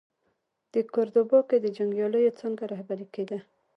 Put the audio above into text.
د کوردوبا کې د جنګیاليو څانګه رهبري کېده.